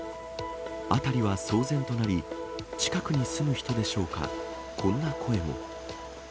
辺りは騒然となり、近くに住む人でしょうか、こんな声も。